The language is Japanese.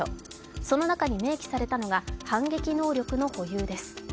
その中に明記されたのが反撃能力の保有です。